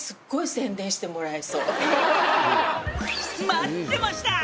「待ってました！」